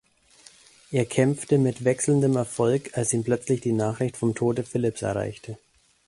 Er kämpfte mit wechselndem Erfolg, als ihn plötzlich die Nachricht vom Tode Philipps erreichte.